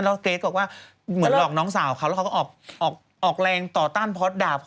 แล้วน้องเกรสกลับ